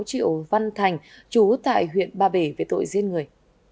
triệu văn thành chú tại huyện ba bể về tội giết người